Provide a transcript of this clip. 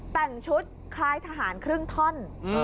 แต่งชุดคล้ายทหารครึ่งท่อน